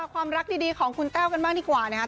ความรักดีของคุณแต้วกันบ้างดีกว่านะครับ